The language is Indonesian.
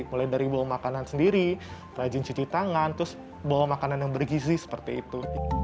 mulai dari bawa makanan sendiri rajin cuci tangan terus bawa makanan yang bergizi seperti itu